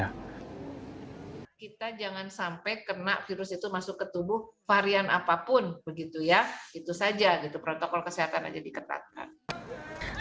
kita jangan sampai kena virus itu masuk ke tubuh varian apapun begitu ya itu saja gitu protokol kesehatan aja diketatkan